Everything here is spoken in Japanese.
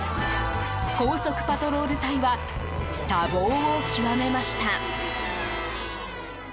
高速パトロール隊は多忙を極めました。